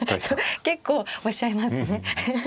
結構おっしゃいますね。